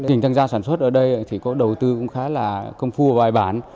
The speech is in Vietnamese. hình tăng gia sản xuất ở đây thì có đầu tư cũng khá là công phu và bài bản